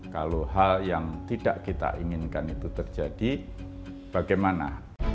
kalau hal yang tidak kita inginkan itu terjadi bagaimana